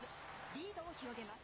リードを広げます。